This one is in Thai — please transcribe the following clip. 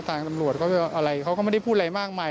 ทางตำรวจเขาไม่ได้พูดอะไรมากมาย